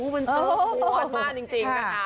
มันเซิร์ฟมากจริงค่ะค่ะ